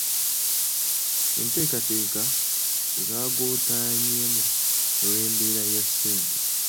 Enteekateeka zaagootaanyeemu olw'embeera ya ssente.